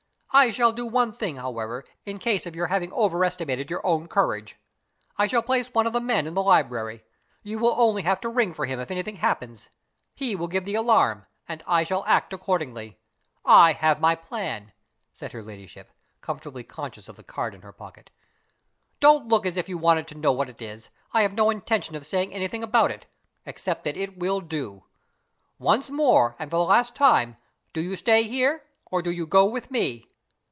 I shall do one thing, however, in case of your having overestimated your own courage. I shall place one of the men in the library. You will only have to ring for him if anything happens. He will give the alarm and I shall act accordingly. I have my plan," said her Ladyship, comfortably conscious of the card in her pocket. "Don't look as if you wanted to know what it is. I have no intention of saying anything about it except that it will do. Once more, and for the last time do you stay here? or do you go with me?"